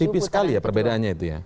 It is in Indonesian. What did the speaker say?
tipis sekali ya perbedaannya itu ya